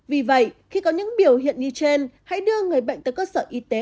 vì vậy khi có những biểu hiện như trên hãy đưa người bệnh tới cơ sở y tế